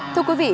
thưa quý vị